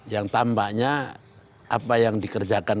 yang tampaknya apa yang dikerjakan